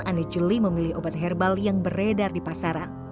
aneh jeli memilih obat herbal yang beredar di pasaran